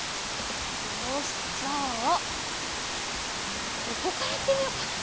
よしじゃあここからいってみよっかな。